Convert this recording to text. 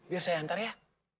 biar saya hantar ya